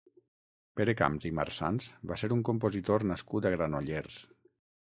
Pere Camps i Marsans va ser un compositor nascut a Granollers.